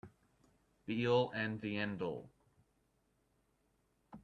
Be-all and the end-all